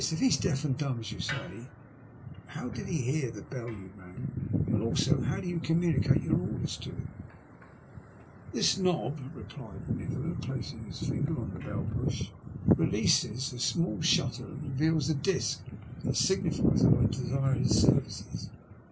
If he is deaf and dumb, as you say, how did he hear the bell you rang, and also how do yon communicate your orders to him ?"This knob/' replied Nikola, placing his finger on the bell push, *' releases a smaller shutter and reveals a disc that signifies that I desire his services.